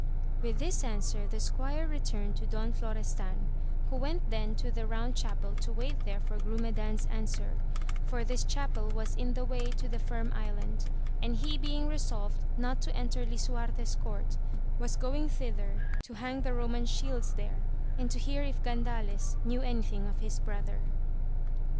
With this answer the squire returned to Don Flo restan, who went then to the Eound Chapel to wait there for Grumedan's answer, for this chapel was in the way to the Firm Island, and he being resolved not to enter Lisuarte's court, was going thither to hang the Roman shields there, and to hear if Gandales knew anything of his brother.